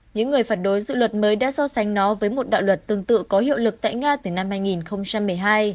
những người phản đối dự luật mới đã so sánh nó với một đạo luật tương tự có hiệu lực tại nga từ năm hai nghìn một mươi hai